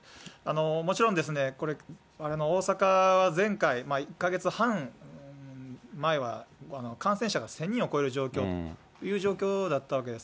もちろんですね、これ、大阪は前回、１か月半前は、感染者が１０００人を超える状況、という状況だったわけです。